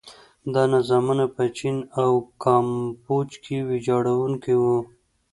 دا نظامونه په چین او کامبوج کې ویجاړوونکي وو.